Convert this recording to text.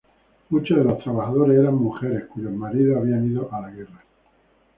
Muchos de los trabajadores eran mujeres cuyos maridos habían ido a la guerra.